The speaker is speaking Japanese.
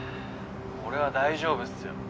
俺は大丈夫ですよ。